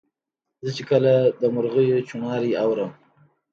زه چي کله د مرغیو چوڼاری اورم